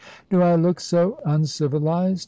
"Do I look so uncivilised?"